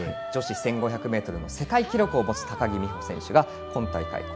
女子１５００ｍの世界記録を持つ高木美帆選手が今大会